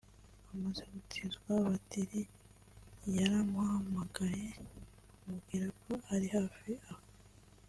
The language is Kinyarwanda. Amaze gutizwa batiri yaramuhamagaye amubwira ko ari hafi aho